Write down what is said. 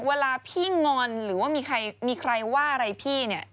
เวลาพี่งอนหรือว่ามีใครมีใครว่าอะไรพี่เนี่ย